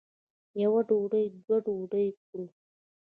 یوه ډوډۍ دوه ډوډۍ کړو.